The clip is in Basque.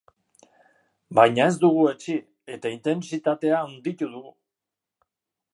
Baina ez dugu etsi, eta intentsitatea handitu dugu.